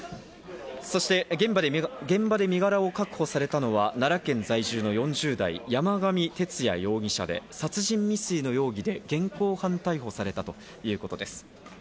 そして現場で身柄を確保されたのは奈良県在住の４０代、山上徹也容疑者で、殺人未遂の容疑で現行犯逮捕されたということです。